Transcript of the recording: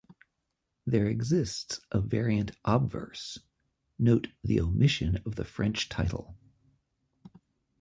There exists a variant obverse: - note the omission of the French title.